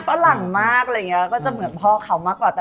ไปก็จะเหมือนพ่อเขามากกว่าก็